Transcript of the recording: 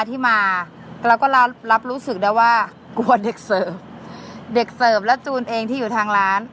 ที่มาเราก็รับรู้สึกได้ว่ากลัวเด็กเสิร์ฟเด็กเสิร์ฟและจูนเองที่อยู่ทางร้าน